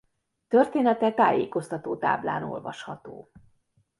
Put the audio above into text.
Története tájékoztató táblán olvasható.